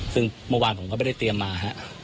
ซึ่งเมื่อวานผมก็ไม่ได้เตรียมมาฮะ